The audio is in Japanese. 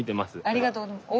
ありがとうございます。